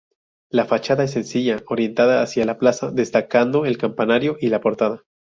La fachada es sencilla, orientada hacia la plaza, destacando el campanario y la portada.